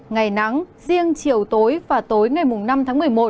ngày nắng riêng chiều tối và tối ngày năm tháng một mươi một